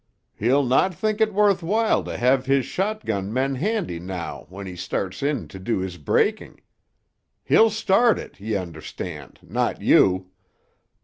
He'll not think it worth while to have his shotgun men handy noo when he starts in to do his breaking. He'll start it, ye understand; not you.